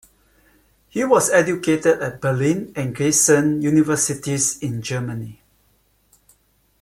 He was educated at Berlin and Giessen universities in Germany.